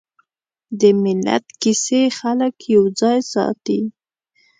د ملت کیسې خلک یوځای ساتي.